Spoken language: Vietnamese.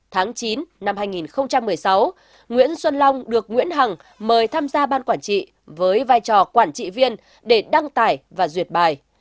tháng chín năm hai nghìn một mươi sáu nguyễn xuân long được nguyễn hằng mời tham gia ban quản trị với vai trò quản trị viên để đăng tải và duyệt bài